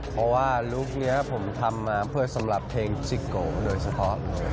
เพราะว่าลุคนี้ผมทำมาเพื่อสำหรับเพลงจิโกโดยเฉพาะ